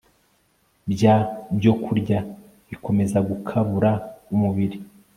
bya byokurya bikomeza gukabura umubiri